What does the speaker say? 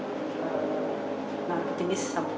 nah jenis sabuk